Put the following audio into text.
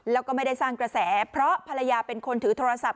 แล้วก็ไม่ได้สร้างกระแสเพราะภรรยาเป็นคนถือโทรศัพท์